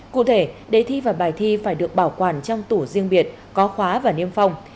cụ thể đề thi và bài thi phải được bảo quản trong tủ riêng biệt có khóa và niêm phong